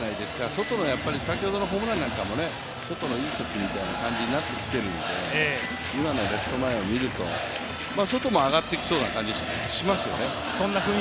ソトの先ほどのホームランも、ソトのいいときみたいな感じになってきているので、今のレフト前を見ると、ソトも上がってきそうな感じしますよね。